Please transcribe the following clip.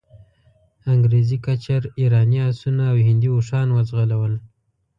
انګریزي کچر، ایراني آسونه او هندي اوښان وځغلول.